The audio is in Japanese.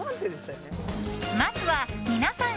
まずは皆さん